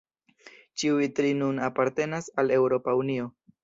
Ĉiuj tri nun apartenas al Eŭropa Unio.